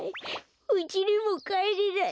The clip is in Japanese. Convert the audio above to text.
うちにもかえれない。